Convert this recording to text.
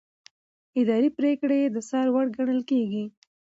اداري پریکړې د څار وړ ګڼل کېږي.